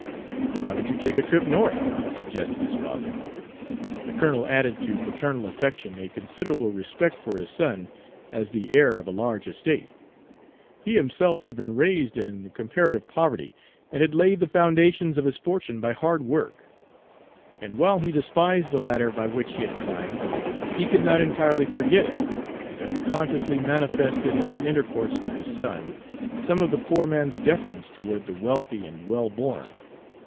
"Why don't you take a trip North?" suggested his father. The colonel added to paternal affection a considerable respect for his son as the heir of a large estate. He himself had been "raised" in comparative poverty, and had laid the foundations of his fortune by hard work; and while he despised the ladder by which he had climbed, he could not entirely forget it, and unconsciously manifested, in his intercourse with his son, some of the poor man's deference toward the wealthy and well born.